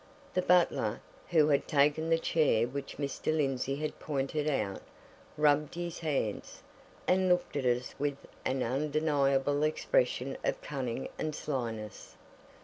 The butler, who had taken the chair which Mr. Lindsey had pointed out, rubbed his hands, and looked at us with an undeniable expression of cunning and slyness.